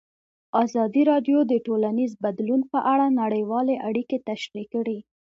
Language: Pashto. ازادي راډیو د ټولنیز بدلون په اړه نړیوالې اړیکې تشریح کړي.